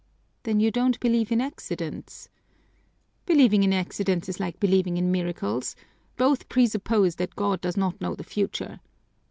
"Then you don't believe in accidents?" "Believing in accidents is like believing in miracles; both presuppose that God does not know the future.